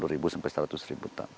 lima puluh ribu sampai seratus ribu ton